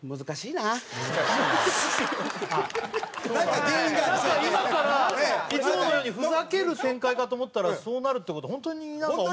なんか今からいつものようにふざける展開かと思ったらそうなるって事は本当になんか思ってる。